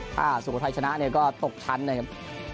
ถ้าสุโขทัยชนะเนี่ยก็ตกชั้นนะครับ